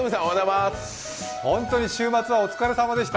ホントに週末はお疲れさまでした。